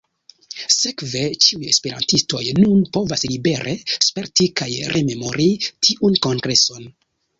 Sekve ĉiuj esperantistoj nun povas libere sperti kaj rememori tiun kongreson.